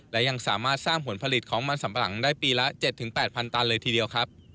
และยังสามารถสร้างผลผลิตของมันสำปะหลังได้ปีละ๗๘๐๐ตันเลยทีเดียวครับ